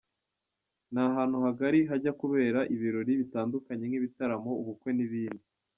Ni ahantu hagari hajya habera ibirori bitandukanye nk’ibitaramo, ubukwe n’ibindi.